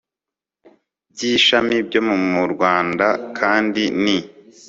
by ishami byo mu rwanda kandi ni